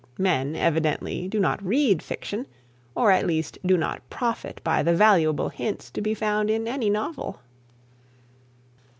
Men, evidently, do not read fiction, or at least do not profit by the valuable hints to be found in any novel.